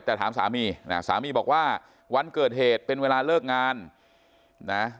แต่ถามสามีนะสามีบอกว่าวันเกิดเหตุเป็นเวลาเลิกงานนะ